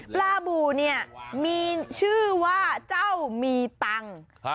บูเนี่ยมีชื่อว่าเจ้ามีตังค์